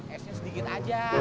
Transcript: esnya sedikit aja